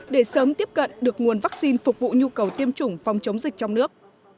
để sớm tiếp cận được nguồn vaccine phục vụ nhu cầu tiêm chủng phòng chống dịch trong nước